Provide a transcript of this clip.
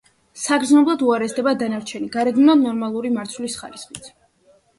საგრძნობლად უარესდება დანარჩენი, გარეგნულად ნორმალური მარცვლის ხარისხიც.